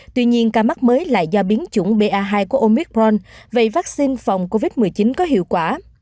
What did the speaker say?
tuy nhiên ca mắc mới lại do biến chủng ba hai của omicron về vaccine phòng covid một mươi chín có hiệu quả